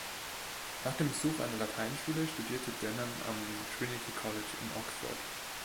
Nach dem Besuch einer Lateinschule studierte Denham am Trinity College in Oxford.